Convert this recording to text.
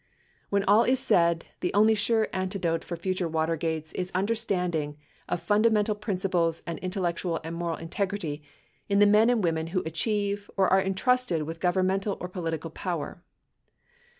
When all is said, the only sure antidote, for future Watergates is understanding of fundamental principles and intellectual and moral integrity in the men and women who achieve or are entrusted with governmental or political power.